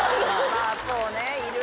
まぁそうねいるね。